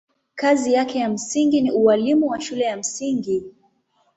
Kazi yake ya msingi ni ualimu wa shule ya msingi.